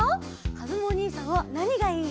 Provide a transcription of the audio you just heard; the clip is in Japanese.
かずむおにいさんはなにがいい？